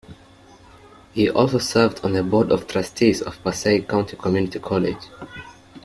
He also served on the Board of Trustees of Passaic County Community College.